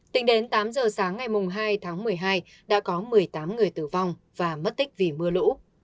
tính đến tám giờ sáng ngày hai tháng một mươi hai đã có một mươi tám người tử vong và mất tích vì mưa lũ